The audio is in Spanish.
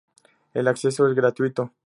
El acceso es gratuito.